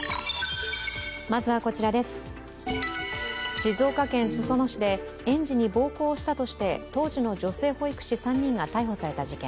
静岡県裾野市で園児に暴行をしたとして当時の女性保育士３人が逮捕された事件。